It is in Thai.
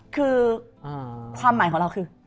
คือความหมายของเราคือ